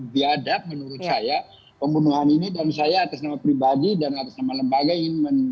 biadab menurut saya pembunuhan ini dan saya atas nama pribadi dan atas nama lembaga ingin